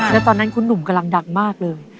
แล้วตอนนั้นคุณหนุ่มกำลังดังมากเลย